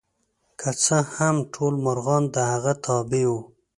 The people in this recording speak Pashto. که څه هم ټول مرغان د هغه تابع وو.